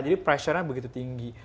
pressure nya begitu tinggi